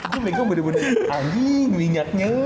gue megang bener bener anjing minyaknya